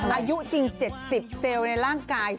อายุจริง๗๐เซลล์ในร่างกาย